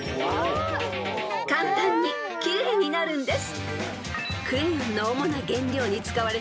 ［簡単に奇麗になるんです］